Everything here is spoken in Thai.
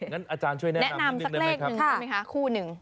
งั้นอาจารย์ช่วยแนะนำนึกได้ไหมครับค่ะคู่๑ค่ะแนะนำสักเลขหนึ่ง